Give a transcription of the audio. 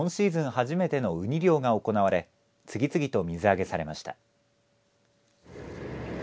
初めてのうに漁が行われ次々と水揚げされました。